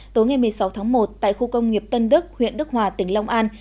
tối ngày một mươi sáu tháng một tại khu công nghiệp tân đức huyện đức hòa tỉnh long an